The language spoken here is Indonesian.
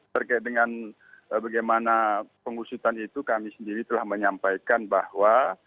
terkait dengan bagaimana pengusutan itu kami sendiri telah menyampaikan bahwa